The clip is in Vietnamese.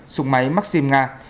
súng máy maxim nga